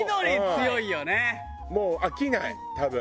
もう飽きない多分。